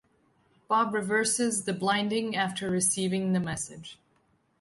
Bob reverses the blinding after receiving the message.